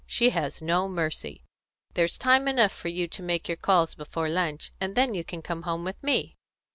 She has no mercy. There's time enough for you to make your calls before lunch, and then you can come home with me."